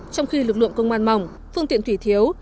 trong khi lực lượng công an mỏng phương tiện thủy thiếu